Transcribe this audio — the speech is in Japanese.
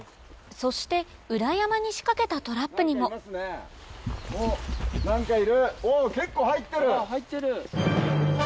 そして裏山に仕掛けたトラップにもうわ入ってる！